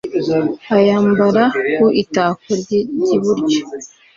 ayambara ku itako ry'iburyo